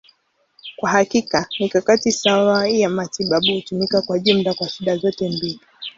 Kwa hakika, mikakati sawa ya matibabu hutumika kwa jumla kwa shida zote mbili.